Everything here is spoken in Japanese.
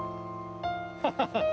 ハハハッ！